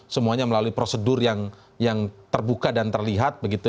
semuanya melalui prosedur yang terbuka dan terlihat begitu